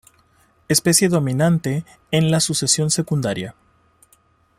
Especie dominante en la sucesión secundaria.